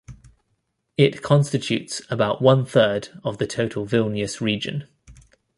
It constitutes about one third of the total Vilnius Region.